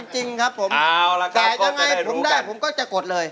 จริงครับผมจ่ายยังไงผมได้ผมก็จะกดเลย